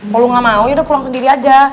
kalo gak mau ya udah pulang sendiri aja